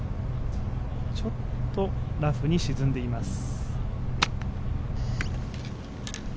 ちょっとラフに沈んでいます。